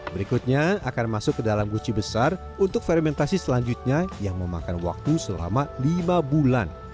berikutnya akan masuk ke dalam guci besar untuk fermentasi selanjutnya yang memakan waktu selama lima bulan